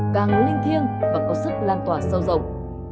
càng linh thiêng và có sức lan tỏa sâu rộng